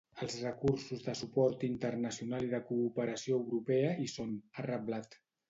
Els recursos de suport internacional i de cooperació europea hi són, ha reblat.